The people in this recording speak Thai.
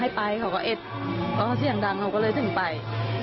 ให้ไปเขาก็เอสค่ะเพราะเขาเสี่ยงดังเราก็เลยถึงไป